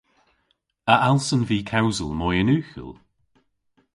A allsen vy kewsel moy yn ughel?